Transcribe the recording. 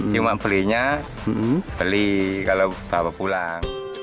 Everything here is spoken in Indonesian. cuma belinya beli kalau bawa pulang